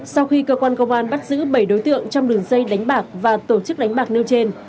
sau khi cơ quan công an bắt giữ bảy đối tượng trong đường dây đánh bạc và tổ chức đánh bạc nêu trên